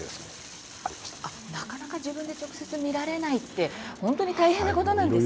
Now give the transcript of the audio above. なかなか自分で直接見られないって本当に大変なことなんですね。